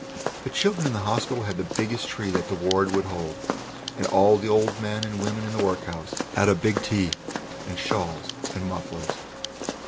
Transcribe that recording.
The children in the hospital had the biggest tree that the ward would hold, and all the old men and women in the workhouse had a big tea, and shawls and mufflers.